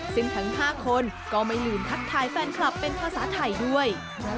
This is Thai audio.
ซึ่งทั้ง๕คนก็ไม่ลืมทักทายแฟนคลับเป็นภาษาไทยด้วย